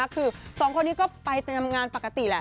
คือสองคนนี้ก็ไปทำงานปกติแหละ